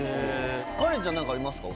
カレンちゃん何かありますか？